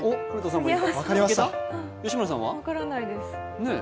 分からないです。